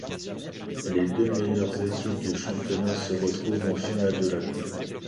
Les deux meilleures équipes du championnat se retrouvent en finale de la Coupe.